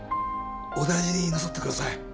お大事になさってください。